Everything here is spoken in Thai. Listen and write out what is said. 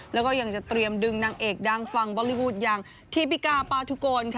แล้วก็ยังจะเตรียมดึงนางเอกดังฝั่งบอลลี่วูดอย่างทีบิกาปาทุโกนค่ะ